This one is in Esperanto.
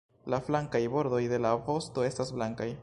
La flankaj bordoj de la vosto estas blankaj.